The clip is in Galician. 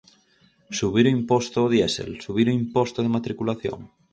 ¿Subir o imposto ao diésel, subir o imposto de matriculación?